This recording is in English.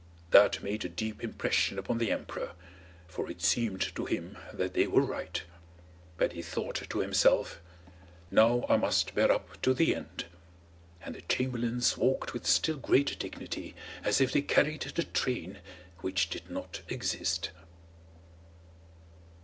That made a deep impression upon the emperor, for it seemed to him that they were right; but he thought to himself, "Now I must bear up to the end." And the chamberlains walked with still greater dignity, as if they carried the train which did not exist.